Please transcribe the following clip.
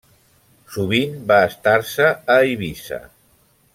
Sovint va estar-se a Eivissa.